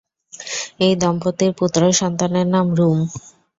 এই দম্পতির পুত্র সন্তানের নাম রূম।